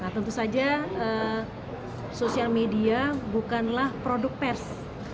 tentu saja sosial media bukanlah produk pers